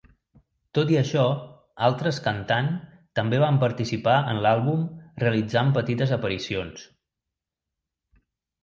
Tot i això, altres cantant també van participar en l'àlbum realitzant petites aparicions.